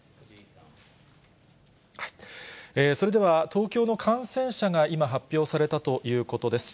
それでは東京の感染者が今発表されたということです。